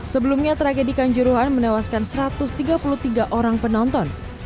sebelumnya tragedi kanjuruhan menewaskan satu ratus tiga puluh tiga orang penonton